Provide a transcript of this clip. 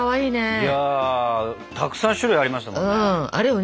いやたくさん種類ありましたもんね。